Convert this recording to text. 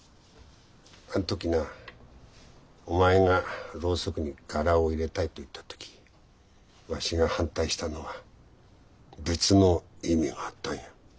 あん時なお前がろうそくに柄を入れたいって言った時わしが反対したのは別の意味があったんや。